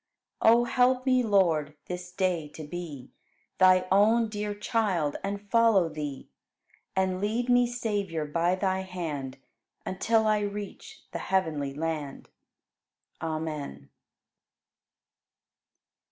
4. O help me, Lord, this day to be Thy own dear child and follow Thee; And lead me, Savior, by Thy hand Until I reach the heavenly land. Amen.